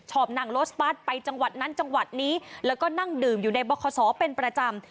ชอบนางโลสปอดไปจังหวัดนั้นจังหวัดนี้แล้วก็นั่งดื่มอยู่ในบขสอเป็นประจำ